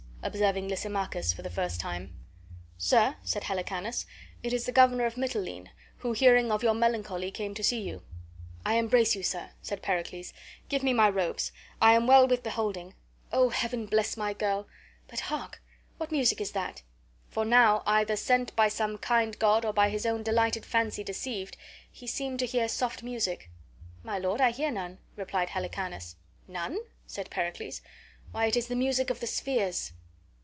(observing Lysimachus for the first time). "Sir," said Helicanus, "it is the governor of Mitylene, who, hearing of your melancholy, came to see you." "I embrace you, sir," said Pericles. "Give me my robes! I am well with beholding. O Heaven bless my girl! But hark, what music is that?" for now, either sent by some kind god or by his own delighted fancy deceived, he seemed to hear soft music. "My lord, I hear none," replied Helicanus. "None?" said Pericles. "Why, it is the music of the spheres."